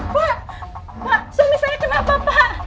pak pak suami saya kenapa pak